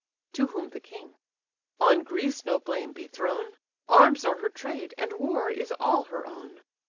To whom the king: "On Greece no blame be thrown; Arms are her trade, and war is all her own.